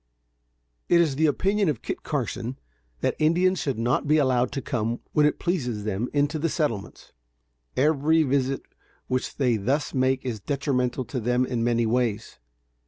It is the opinion of Kit Carson, that Indians should not be allowed to come, when it pleases them, into the settlements. Every visit which they thus make is detrimental to them in many ways.